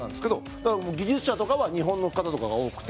だから、技術者とかは日本の方とかが多くて。